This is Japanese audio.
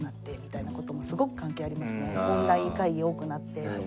オンライン会議多くなってとか。